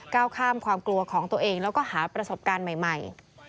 ก้าวข้ามความกลัวของตัวเองแล้วก็หาประสบการณ์ใหม่